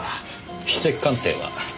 筆跡鑑定は？